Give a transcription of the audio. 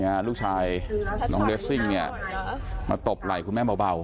ลูกชายน้องเรสซิ่งเนี่ยมาตบไหล่คุณแม่เบา